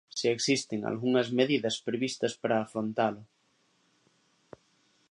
Se existen algunhas medidas previstas para afrontalo.